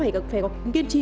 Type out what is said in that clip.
phải kiên trì